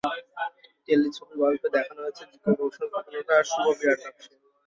টেলিছবির গল্পে দেখানো হয়েছে জিকো প্রফেশনাল ফটোগ্রাফার আর শুভ বিরাট ব্যবসায়ী।